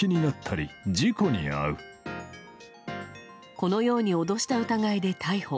このように脅した疑いで逮捕。